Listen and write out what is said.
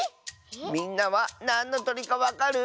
みんなはなんのとりかわかる？